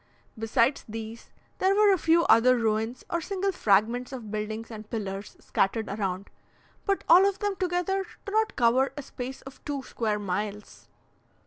Besides these, there were a few other ruins or single fragments of buildings and pillars scattered around, but all of them together do not cover a space of two square miles.